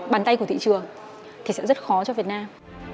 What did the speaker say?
bàn tay của thị trường thì sẽ rất khó cho việt nam